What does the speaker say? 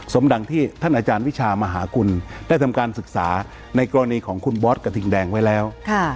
ดังที่ท่านอาจารย์วิชามหากุลได้ทำการศึกษาในกรณีของคุณบอสกระทิงแดงไว้แล้ว